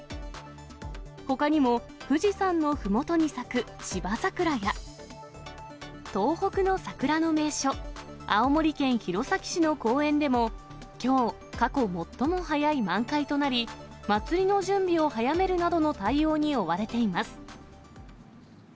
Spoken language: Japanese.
ほかにも富士山のふもとに咲く芝ざくらや、東北の桜の名所、青森県弘前市の公園でもきょう、過去最も早い満開となり、祭りの準備を早めるなどの対応に追われています。